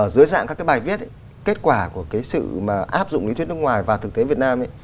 dưới dạng các cái bài viết kết quả của cái sự mà áp dụng lý thuyết nước ngoài và thực tế việt nam